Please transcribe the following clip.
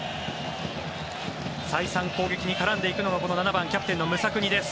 再三、攻撃に絡んでいくのがこの７番、キャプテンのムサクニです。